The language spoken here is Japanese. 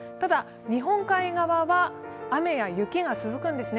ただ、日本海側は雨や雪が続くんですね。